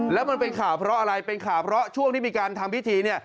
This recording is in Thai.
แล้วมันเป็นข่าวเพราะอะไรเป็นข่าวเพราะช่วงที่มีการทำพิธีเนี่ย